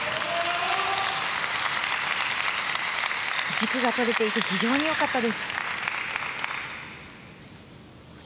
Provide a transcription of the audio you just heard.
軸がとれていて非常に良かったです。